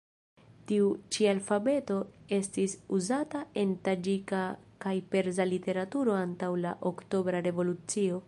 Tiu-ĉi alfabeto estis uzata en taĝika kaj persa literaturo antaŭ la Oktobra revolucio.